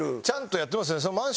ちゃんとやってますね。